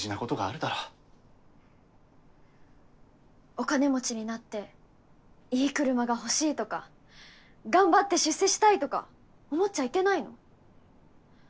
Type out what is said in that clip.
お金持ちになっていい車が欲しいとか頑張って出世したいとか思っちゃいけないの？